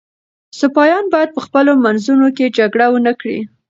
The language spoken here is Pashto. سپایان باید په خپلو منځونو کي جګړه ونه کړي.